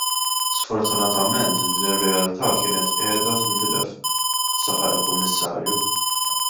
Sfortunatament din ir-realtà kienet qiegħda tintilef, saħaq il-Kummissarju.